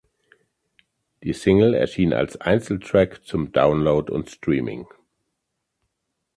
Die Single erschien als Einzeltrack zum Download und Streaming.